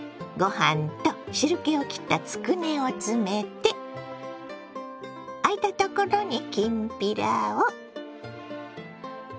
ご飯と汁けをきったつくねを詰めて空いた所にきんぴらを。